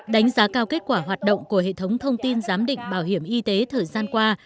đánh giá cao kết quả hoạt động của hệ thống thông tin giám định bảo hiểm y tế thời gian qua